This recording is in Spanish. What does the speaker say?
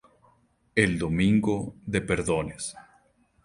El Domingo de perdones.